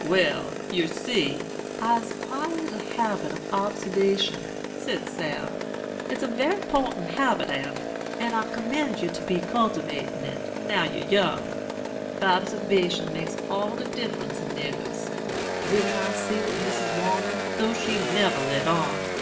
"'Wal, yer see, I'se 'quired a habit o' bobservation,' said Sam. 'It's a very 'portant habit, Andy; and I 'commend yer to be cultivatin' it, now yer young. Bobservation makes all de difference in niggers. Didn't I see what Missis wanted, though she never let on?